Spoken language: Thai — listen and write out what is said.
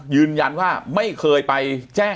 ยืนยันว่าไม่เคยไปแจ้ง